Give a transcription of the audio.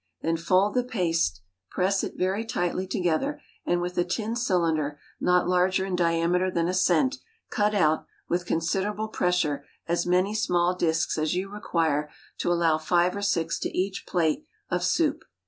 Then fold the paste, press it very tightly together, and with a tin cylinder, not larger in diameter than a cent, cut out, with considerable pressure, as many small disks as you require to allow five or six to each plate of soup.